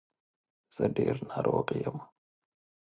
زه ډېر ناروغ یم.